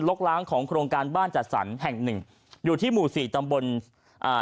กล้างของโครงการบ้านจัดสรรแห่งหนึ่งอยู่ที่หมู่สี่ตำบลอ่า